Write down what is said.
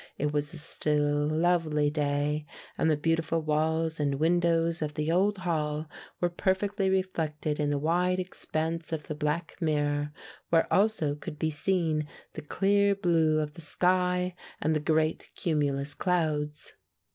It was a still, lovely day and the beautiful walls and windows of the old Hall were perfectly reflected in the wide expanse of the black mirror, where also could be seen the clear blue of the sky and the great cumulus clouds.